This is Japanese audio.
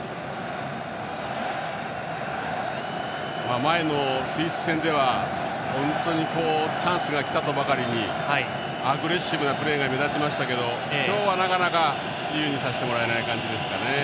前のスイス戦では本当にチャンスがきたとばかりにアグレッシブなプレーが目立ちましたけど今日はなかなか自由にさせてもらえない感じですかね。